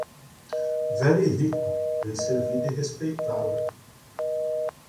Velho e rico, bem servido e respeitado.